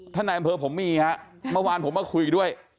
นายอำเภอผมมีฮะเมื่อวานผมมาคุยด้วย